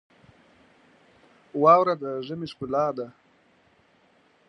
واوره د ژمي ښکلا ده.